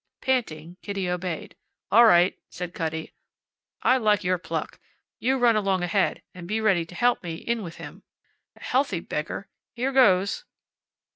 Panting, Kitty obeyed. "All right," said Cutty. "I like your pluck. You run along ahead and be ready to help me in with him. A healthy beggar! Here goes."